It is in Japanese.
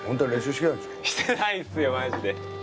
してないですよマジで。